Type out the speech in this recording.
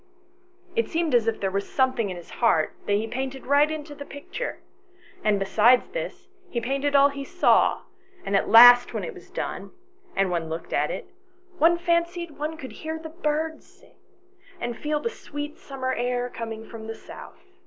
It seemed as if there was something in his heart that he painted right into the picture, and besides this, he painted all he saw, and at last when it was done, and one looked at it, one fancied one could hear the birds sing, and feel the sweet summer air coming from the south.